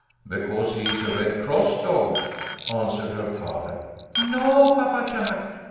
"Because he is a Red Cross dog," answered her father. "No, Papa Jack.